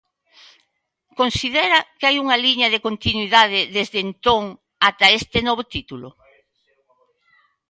Considera que hai unha liña de continuidade desde entón até este novo título?